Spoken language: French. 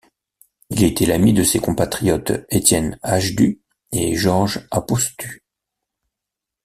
Il était l'ami de ses compatriotes Etienne Hajdu et George Apostu.